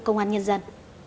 bộ công an nhân dân